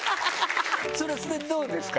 それどうですか？